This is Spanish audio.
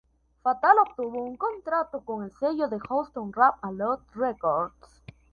Fatal obtuvo un contrato con el sello de Houston Rap-A-Lot Records.